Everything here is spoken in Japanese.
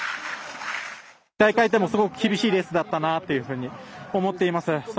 大回転でも、すごく厳しいレースだったなと思っています。